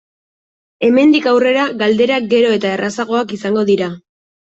Hemendik aurrera galderak gero eta errazagoak izango dira.